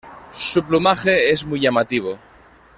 Su plumaje es muy llamativo.